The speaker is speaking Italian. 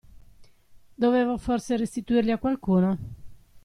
Dovevo forse restituirli a qualcuno?